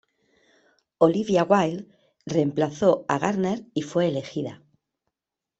Olivia Wilde reemplazó a Garner y fue elegida.